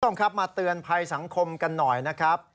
คุณผู้ชมครับมาเตือนภัยสังคมกันหน่อยนะครับ